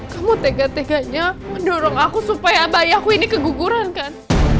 kamu tega tekanya mendorong aku supaya bayi aku ini keguguran kan